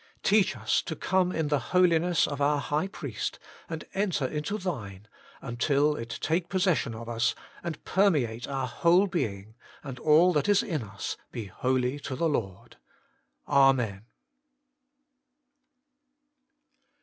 Teach us to come in the Holiness of our High Priest, and enter into Thine, until it take possession of us, and per meate our whole being, and all that is in us be holy to the Lord. Amen.